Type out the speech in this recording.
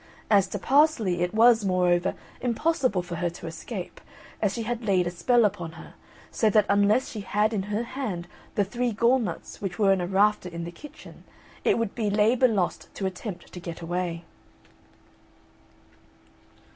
As to Parsley, it was, moreover, impossible for her to escape, as she had laid a spell upon her, so that unless she had in her hand the three gall nuts which were in a rafter in the kitchen it would be labour lost to attempt to get away.